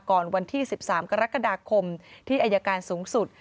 วันที่๑๓กรกฎาคมที่อายการสูงสุด